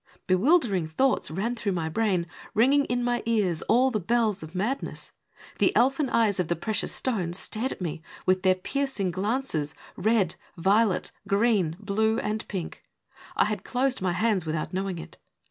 Bewildering thoughts ran through my brain, ringing in my ears all the bells of madness. The elfin eyes of the precious stones stared at me with their piercing glances — red, violet, green, blue and pink. I had closed my hands without knowing it.